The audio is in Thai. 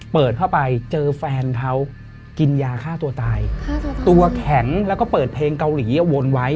เปิดเข้าไปเจอแฟนเขากินยาฆ่าตัวตายตัวแข็งแล้วก็เปิดเพลงเกาหลีวนไว้